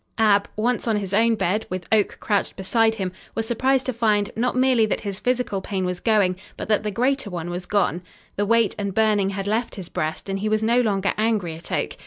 Ab, once on his own bed, with Oak couched beside him, was surprised to find, not merely that his physical pain was going, but that the greater one was gone. The weight and burning had left his breast and he was no longer angry at Oak.